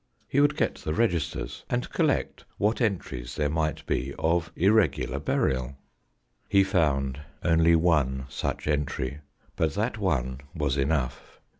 He would get the registers and collect what entries there might be of irregular burial. He found only one such entry, but that one was enough.